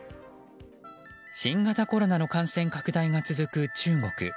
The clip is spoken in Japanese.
新型コロナの感染拡大が続く中国。